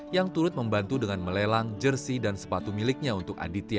yang turut membantu dengan melelang jersi dan sepatu miliknya untuk aditya